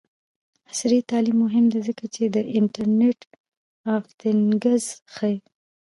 عصري تعلیم مهم دی ځکه چې د انټرنټ آف تینګز ښيي.